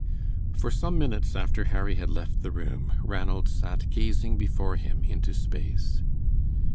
For some minutes after Harry had left the room Ranald sat gazing before him into space.